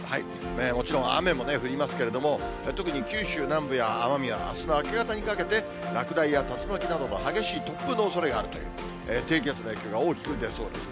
もちろん、雨もね、降りますけれども、特に九州南部や奄美はあすの明け方にかけて、落雷や竜巻などの激しい突風のおそれがあるという、低気圧の影響が大きく出そうですね。